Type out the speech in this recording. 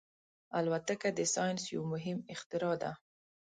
الوتکه د ساینس یو مهم اختراع ده.